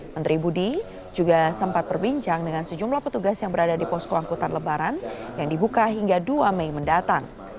menteri budi juga sempat berbincang dengan sejumlah petugas yang berada di posko angkutan lebaran yang dibuka hingga dua mei mendatang